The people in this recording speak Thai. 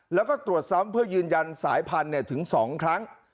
แล้วก็ตรวจซ้ำเพื่อยืนยันสายพันธุ์ถึง๒ครั้ง